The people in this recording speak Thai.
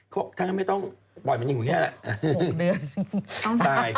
เพราะท่านก็ไม่ต้องปล่อยมันอยู่อย่างนี้แหละ